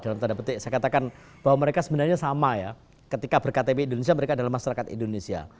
saya katakan bahwa mereka sebenarnya sama ketika berktp indonesia mereka adalah masyarakat indonesia